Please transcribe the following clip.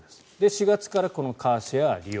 ４月からカーシェアを利用。